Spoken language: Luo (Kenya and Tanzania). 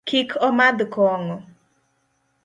Kik omadh kong'o.